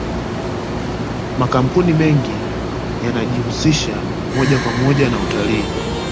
makampuni mengi yanajihusisha moja kwa moja na utalii